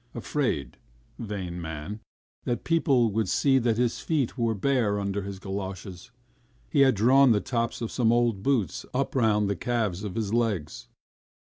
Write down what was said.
Afraid, vain man, that people would see that his feet were bare under his goloshes, he had drawn the tops of some old boots up round the calves of his legs.